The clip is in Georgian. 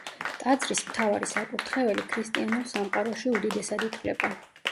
ტაძრის მთავარი საკურთხეველი ქრისტიანულ სამყაროში უდიდესად ითვლება.